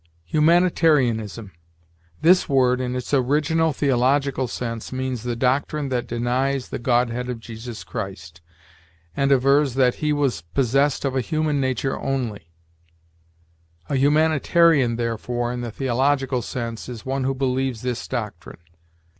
HUMANITARIANISM. This word, in its original, theological sense, means the doctrine that denies the godhead of Jesus Christ, and avers that he was possessed of a human nature only; a humanitarian, therefore, in the theological sense, is one who believes this doctrine.